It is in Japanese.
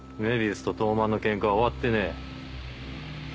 主と東卍のケンカは終わってねえ。